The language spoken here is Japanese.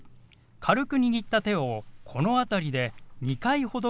軽く握った手をこの辺りで２回ほど動かします。